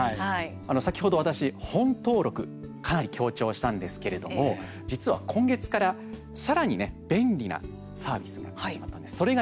先ほど私、本登録かなり強調したんですけれども実は今月から、さらに便利なサービスが始まったんです。